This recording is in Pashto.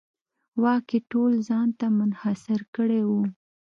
واک یې ټول ځان ته منحصر کړی و.